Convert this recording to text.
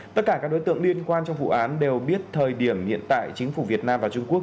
tất cả các đối tượng liên quan trong vụ án đều biết thời điểm hiện tại chính phủ việt nam và trung quốc